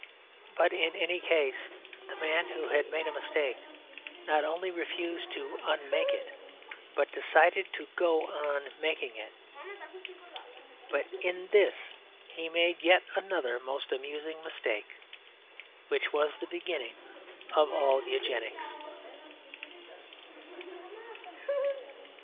But in any case, the man who had made a mistake not only refused to unmake it, but decided to go on making it. But in this he made yet another most amusing mistake, which was the beginning of all Eugenics.